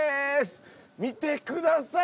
見てください！